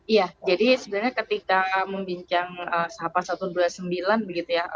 iya jadi sebenarnya ketika membincang sahabat satu ratus dua puluh sembilan begitu ya